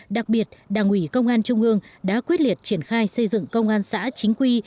đặc biệt đảng ủy công an trung ương đã quyết liệt triển khai xây dựng công an xã chính quy